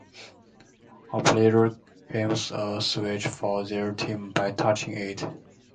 A player claims a switch for their team by touching it.